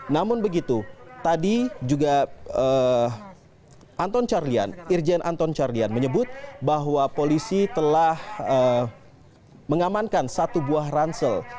namun begitu tadi juga anton carlyan irjen anton cardian menyebut bahwa polisi telah mengamankan satu buah ransel